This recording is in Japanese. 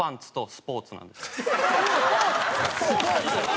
スポーツ？